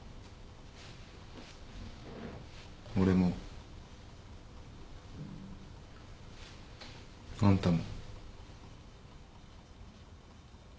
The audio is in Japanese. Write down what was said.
俺も。あんたも。